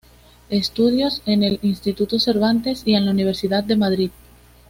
Estudios en el instituto Cervantes y en la Universidad de Madrid.